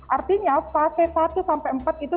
artinya fase satu sampai empat itu